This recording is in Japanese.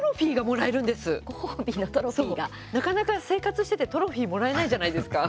なかなか生活しててトロフィーもらえないじゃないですか。